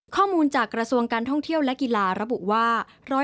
ข้อมูลจากกระทรวงการท่องเที่ยวและกีฬาระบุว่า